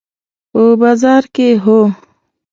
په بازار کې، هو